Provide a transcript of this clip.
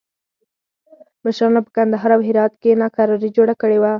مشرانو په کندهار او هرات کې ناکراري جوړه کړې وه.